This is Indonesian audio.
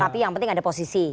tapi yang penting ada posisi